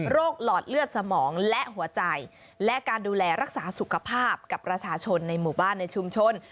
หลอดเลือดสมองและหัวใจและการดูแลรักษาสุขภาพกับประชาชนในหมู่บ้านในชุมชน